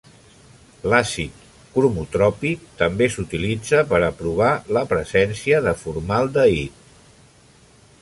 L'àcid cromotròpic també s'utilitza per a provar la presència de formaldehid.